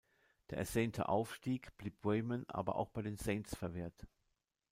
Der ersehnte Aufstieg blieb Wayman aber auch bei den „Saints“ verwehrt.